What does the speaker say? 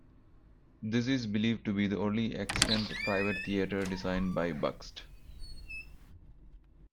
This is believed to be the only extant private theatre designed by Bakst.